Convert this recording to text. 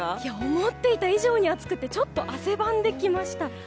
思っていた以上に暑くてちょっと汗ばんできました。